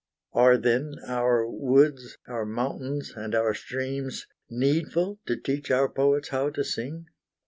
Are, then, our woods, our mountains, and our streams, Needful to teach our poets how to sing?